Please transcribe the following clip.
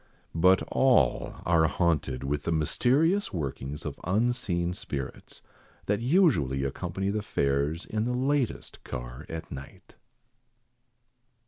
But all are haunted with the mysterious workings of unseen spirits, that usually accompany the fares, in the latest car at night.